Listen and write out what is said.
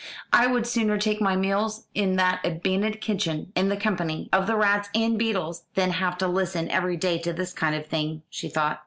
"I would sooner take my meals in that abandoned kitchen, in the company of the rats and beetles, than have to listen every day to this kind of thing," she thought.